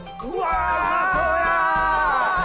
うわ！